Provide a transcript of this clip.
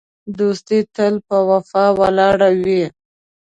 دوستي تل په وفا ولاړه وي.